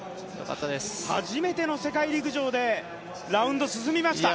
初めての世界陸上でラウンド進みました！